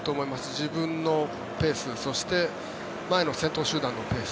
自分のペースそして前の集団のペース